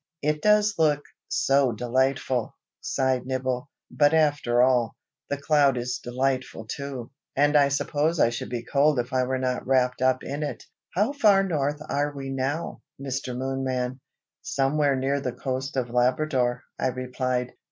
"It does look so delightful!" sighed Nibble. "But after all, the cloud is delightful too, and I suppose I should be cold if I were not wrapped up in it. How far north are we now, Mr. Moonman?" "Somewhere near the coast of Labrador," I replied.